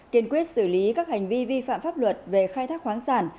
kiên quyết xử lý các hành vi vi phạm pháp luật về khai thác khoáng sản